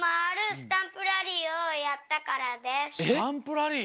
スタンプラリー！